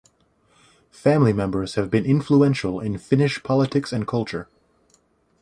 Family members have been influential in Finnish politics and culture.